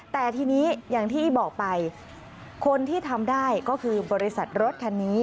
แต่ทีนี้อย่างที่บอกไปคนที่ทำได้ก็คือบริษัทรถคันนี้